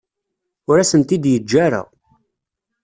Ur asen-t-id-yeǧǧa ara.